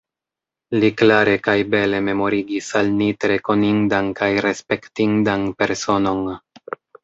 Li klare kaj bele memorigis al ni tre konindan kaj respektindan personon.